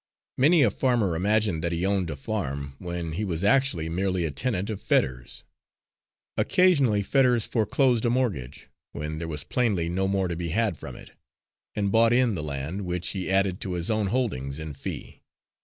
Many a farmer imagined that he owned a farm, when he was, actually, merely a tenant of Fetters. Occasionally Fetters foreclosed a mortgage, when there was plainly no more to be had from it, and bought in the land, which he added to his own holdings in fee.